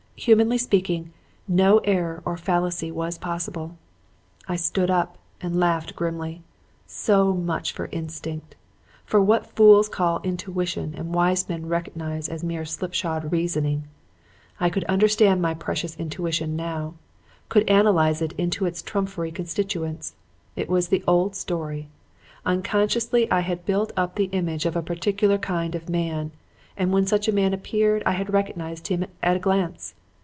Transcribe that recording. Humanly speaking, no error or fallacy was possible. "I stood up and laughed grimly. So much for instinct! For what fools call intuition and wise men recognize for mere slipshod reasoning! I could understand my precious intuition now; could analyze it into its trumpery constituents. It was the old story. Unconsciously I had built up the image of a particular kind of man, and when such a man appeared I had recognized him at a glance.